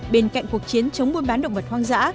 bên cạnh cuộc chiến chống buôn bán động vật hoang dã